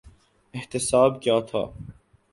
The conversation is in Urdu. احتساب کیا تھا۔